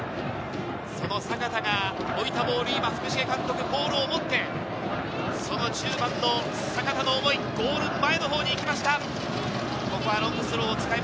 その阪田が置いたボール、今、福重監督、ボールを持って１０番の阪田の思い、ゴール前のほうに行きました。